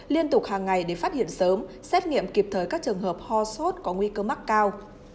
liên tục hàng ngày để phát hiện sớm xét nghiệm kịp thời các trường hợp ho sốt có nguy cơ mắc cao